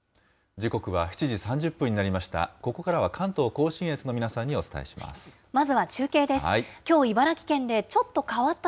時刻は７時３０分になりました。